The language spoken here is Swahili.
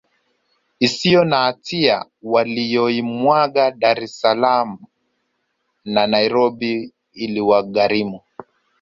isiyo na hatia waliyoimwaga Dar es Salaam na Nairobi iliwagharimu